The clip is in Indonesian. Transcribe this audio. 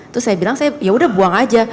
terus saya bilang ya sudah buang saja